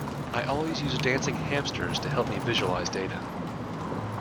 I always use dancing hamsters to help me visualise data.